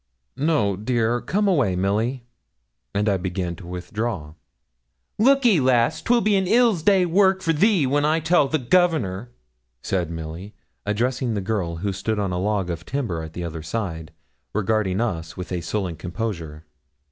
'No, dear come away, Milly,' and I began to withdraw. 'Lookee, lass, 'twill be an ill day's work for thee when I tell the Governor,' said Milly, addressing the girl, who stood on a log of timber at the other side, regarding us with a sullen composure.